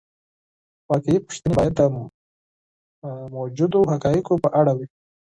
واقعي پوښتنې باید د موجودو حقایقو په اړه وي.